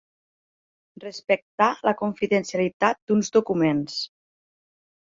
Respectar la confidencialitat d'uns documents.